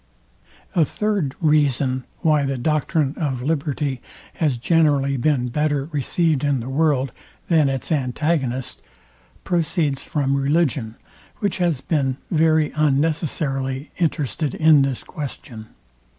A third reason why the doctrine of liberty has generally been better received in the world, than its antagonist, proceeds from religion, which has been very unnecessarily interested in this question.